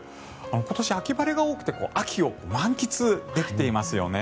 今年、秋晴れが多くて秋を満喫できていますよね。